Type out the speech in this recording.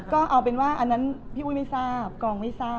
ก็เอาเป็นว่าอันนั้นพี่อุ้ยไม่ทราบกองไม่ทราบ